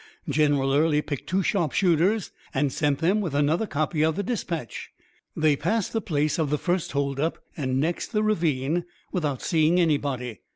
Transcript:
General Early picked two sharpshooters and sent them with another copy of the dispatch. They passed the place of the first hold up, and next the ravine without seeing anybody.